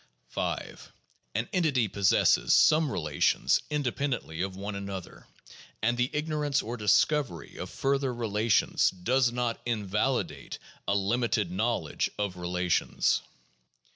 5. An entity possesses some relations independently of one another ; and the ignorance or discovery of further relations does not invalidate a limited knowledge of relations.